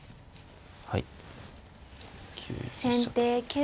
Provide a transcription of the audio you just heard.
はい９一飛車と。